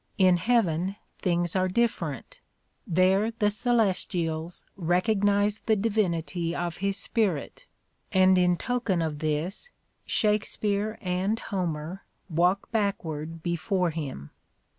In heaven things are different ; there the celes tials recognize the divinity of his spirit, and in token of this Shakespeare and Homer walk backward before him.